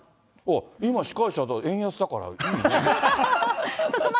今、司会者、円安だから、いいな。